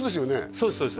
そうですそうです